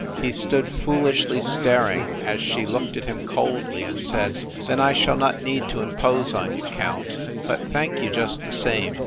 He stood foolishly staring as she looked at him coldly, and said: "Then I shall not need to impose on you, Count. But thank you just the same."